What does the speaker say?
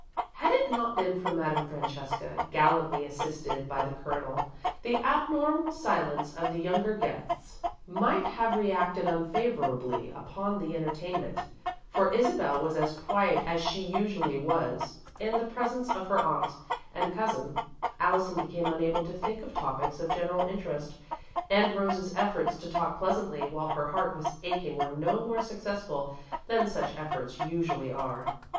Had it not been for Madame Francesca, gallantly assisted by the Colonel, the abnormal silence of the younger guests might have reacted unfavourably upon the entertainment, for Isabel was as quiet as she usually was, in the presence of her aunt and cousin, Allison became unable to think of topics of general interest, and Rose's efforts to talk pleasantly while her heart was aching were no more successful than such efforts usually are.